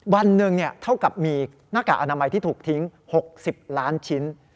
วันหนึ่งเท่ากับมีหน้ากากอนามัยที่ถูกทิ้ง๖๐ล้านชิ้น